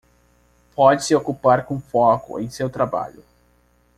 Pode-se ocupar com foco em seu trabalho.